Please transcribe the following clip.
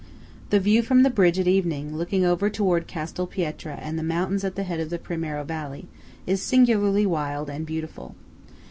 The view from the bridge at evening, looking over towards Castel Pietra and the mountains at the head of the Primiero valley, is singularly wild and beautiful.